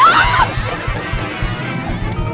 มันอะไรกินละ